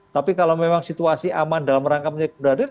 tapi kalau memang situasi aman dalam rangka penduduk beradil